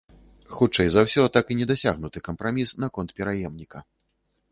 Хутчэй за ўсё, так і не дасягнуты кампраміс наконт пераемніка.